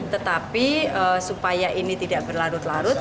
tetapi supaya ini tidak berlarut larut